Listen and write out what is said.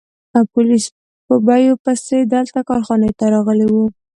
پولیس بیپو پسې دلته کارخانې ته راغلي وو.